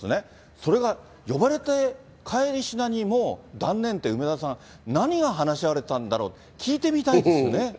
それが呼ばれて帰りしなにもう断念って、梅沢さん、何が話し合われたんだろうって、聞いてみたいですよね。